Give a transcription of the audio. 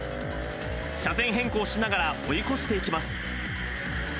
車線変更しながら追い越していきます。